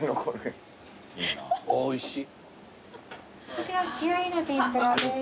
こちら稚鮎の天ぷらです。